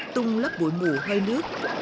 tung lớp bụi mù hơi nước